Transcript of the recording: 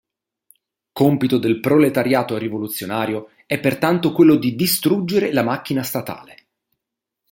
Compito del proletariato rivoluzionario è pertanto quello di distruggere la macchina statale.